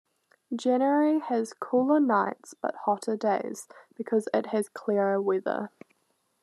January has cooler nights but hotter days because it has clearer weather.